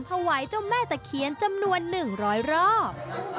ถวายเจ้าแม่ตะเคียนจำนวน๑๐๐รอบ